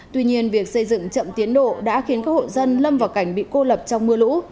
tuy nhiên việc xây dựng chậm tiến độ đã khiến các hộ dân lâm vào cảnh bị cô lập trong mưa lũ